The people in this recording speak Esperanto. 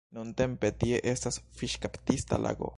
Nuntempe tie estas fiŝkaptista lago.